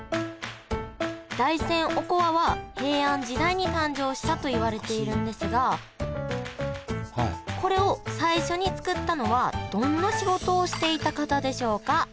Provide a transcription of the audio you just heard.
大山おこわは平安時代に誕生したといわれているんですがこれを最初に作ったのはどんな仕事をしていた方でしょうか？